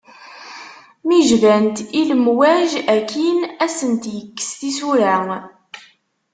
Mi jbant i lemwaj akin, ad asent-yekkes tisura.